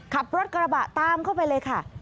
ขับรถกระบะตามเข้าไปเลยค่ะ